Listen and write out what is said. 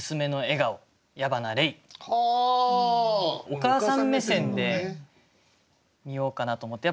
お母さん目線で見ようかなと思って。